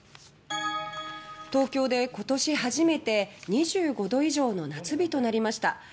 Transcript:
東京で今年初めて２５度以上の夏日となりました。